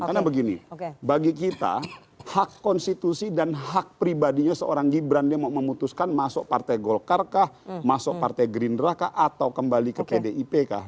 karena begini bagi kita hak konstitusi dan hak pribadinya seorang gibran dia mau memutuskan masuk partai golkar kah masuk partai gerindra kah atau kembali ke pdip kah